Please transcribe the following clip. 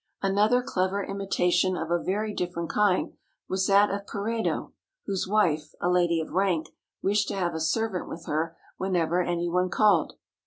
Another clever imitation of a very different kind was that of Peredo's, whose wife, a lady of rank, wished to have a servant with her whenever any one called.